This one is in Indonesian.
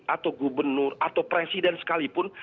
atau gubernur atau presiden sekalipun